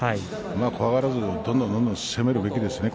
怖がらずにどんどん攻めるべきですね